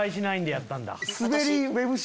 やったんだ。